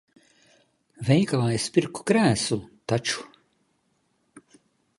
Veikalā es pirku krēslu taču.